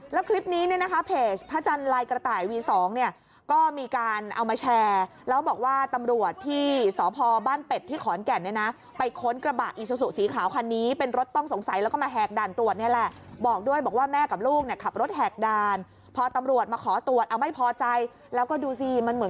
แล้วคลิปนี้เนี่ยนะคะเพจพระจันทร์ลายกระต่ายวีสองเนี่ยก็มีการเอามาแชร์แล้วบอกว่าตำรวจที่สพบ้านเป็ดที่ขอนแก่นเนี่ยนะไปค้นกระบะอีซูซูสีขาวคันนี้เป็นรถต้องสงสัยแล้วก็มาแหกด่านตรวจเนี่ยแหละบอกด้วยบอกว่าแม่กับลูกเนี่ยขับรถแหกด่านพอตำรวจมาขอตรวจเอาไม่พอใจแล้วก็ดูสิมันเหมือน